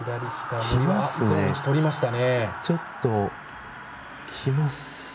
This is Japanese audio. ちょっと、きますね。